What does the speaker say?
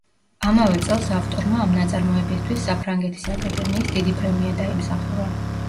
ამავე წელს ავტორმა ამ ნაწარმოებისთვის საფრანგეთის აკადემიის დიდი პრემია დაიმსახურა.